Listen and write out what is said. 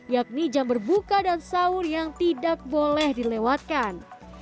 yakni jam berbuka dan sahur yang tidak boleh dilewatkan